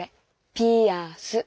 ピアス。